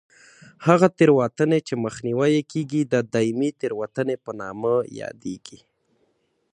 هغه تېروتنې چې مخنیوی یې کېږي د دایمي تېروتنې په نامه یادېږي.